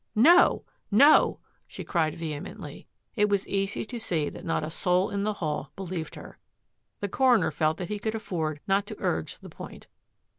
"" No ! no !" she cried vehemently. It was easy to see that not a soul in the hall believed her. The coroner felt that he could aiBford not to urge the point.